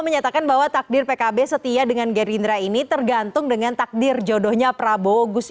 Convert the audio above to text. menyatakan bahwa takdir pkb setia dengan gerindra ini tergantung dengan takdir jodohnya prabowo gus